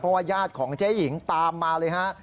เพราะว่าญาติของเจ๊หญิงตามมาเลยฮะ